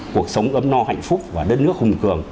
cuộc sống ấm no hạnh phúc và đất nước hùng cường